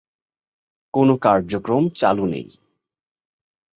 কোন কার্যক্রম চালু নেই।